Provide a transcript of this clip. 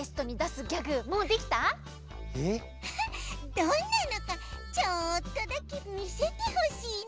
どんなのかちょっとだけみせてほしいな。